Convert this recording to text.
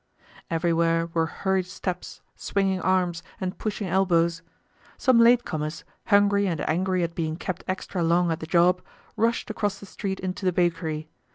Everywhere were hurried steps, swinging arms, and pushing elbows. Some late comers, hungry and angry at being kept extra long at the job, rushed across the street into the bakery.